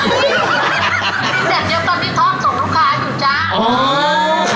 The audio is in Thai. แดดเดียวก่อนที่ทอบส่งลูกค้าอยู่จ๊ะ